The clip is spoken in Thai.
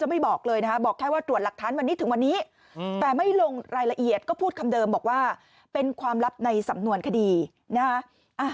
ไม่บอกเลยนะคะบอกแค่ว่าตรวจหลักฐานวันนี้ถึงวันนี้แต่ไม่ลงรายละเอียดก็พูดคำเดิมบอกว่าเป็นความลับในสำนวนคดีนะฮะ